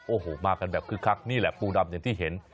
โอ้โหมากันแบบคึกคักนี่แหละปูดำอย่างที่เห็น